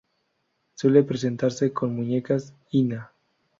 Suele presentarse con muñecas "hina".